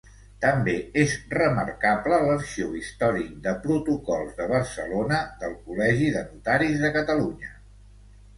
També és remarcable l'Arxiu Històric de Protocols de Barcelona del Col·legi de Notaris de Catalunya.